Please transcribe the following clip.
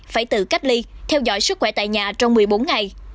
phải tự cách ly theo dõi sức khỏe tại nhà trong một mươi bốn ngày